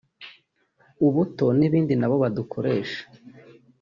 ubuto n’ibindi nabo badukoresha